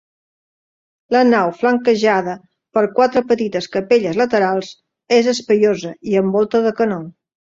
La nau flanquejada per quatre petites capelles laterals, és espaiosa i amb volta de canó.